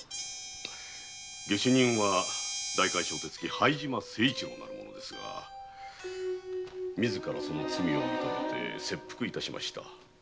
下手人は代官所手付配島誠一郎なる者ですが自ら罪を認めて切腹致しました。